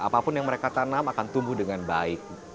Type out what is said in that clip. apapun yang mereka tanam akan tumbuh dengan baik